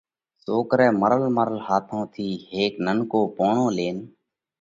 سوڪرئہ مرل مرل هاٿون ٿِي هيڪ ننڪو پوڻو لينَ